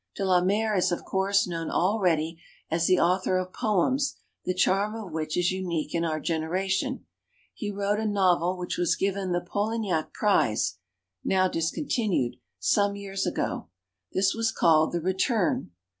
De la Mare is, of course, known already as the au thor of poems the charm of which is unique in our generation. He wrote a novel which was given the Polignac prize (now discontinued) some years ago. This was called "The Return".